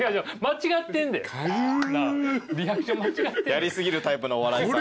やり過ぎるタイプのお笑いさん。